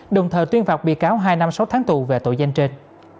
đồng thời tuyên phạm bị cáo hai năm sáu tháng tù về tội gian trên